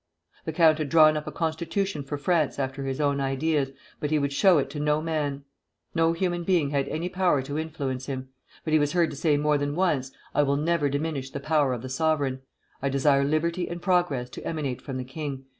The count had drawn up a constitution for France after his own ideas, but he would show it to no man. No human being had any power to influence him. But he was heard to say more than once: 'I will never diminish the power of the sovereign. I desire liberty and progress to emanate from the king.